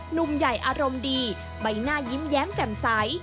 หนุ่มใหญ่อารมณ์ดีใบหน้ายิ้มแย้มแจ่มใส